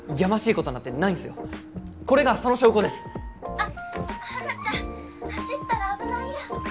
「あっ花ちゃん走ったら危ないよ！」